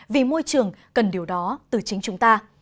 vì môi trường cần điều đó từ chính chúng ta